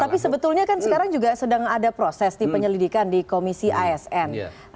tapi sebetulnya kan sekarang juga sedang ada proses di penyelidikan di komisi asn